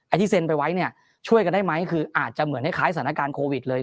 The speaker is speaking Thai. ที่เซ็นไปไว้เนี่ยช่วยกันได้ไหมคืออาจจะเหมือนคล้ายสถานการณ์โควิดเลย